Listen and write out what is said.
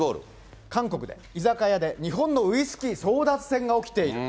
韓国で居酒屋で、日本のウイスキー争奪戦が起きている。